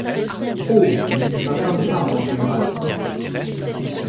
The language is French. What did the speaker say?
Oh ! ma femme parle en général.